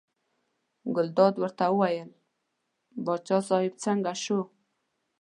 ګلداد ورته وویل باچا صاحب څنګه شو.